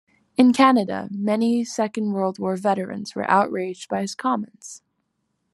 In Canada, many Second World War veterans were outraged by his comments.